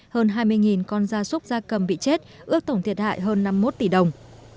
hơn hai mươi con da súc da cầm bị chết ước tổng thiệt hại hơn năm mươi một tỷ đồng